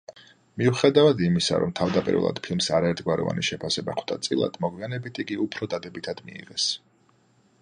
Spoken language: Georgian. მიუხედავად იმისა, რომ თავდაპირველად ფილმს არაერთგვაროვანი შეფასება ხვდა წილად, მოგვიანებით იგი უფრო დადებითად მიიღეს.